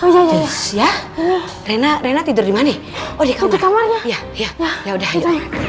ya rina rina tidur dimana ya udah ya udah ya